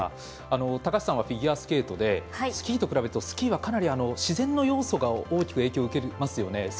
高橋さんはフィギュアスケートでスキーと比べるとスキーはかなり自然の要素が大きく影響を受けますね。